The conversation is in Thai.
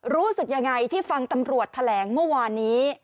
รู้สึกยังไงที่ฟังตำรวจแถลงเมื่อวานนี้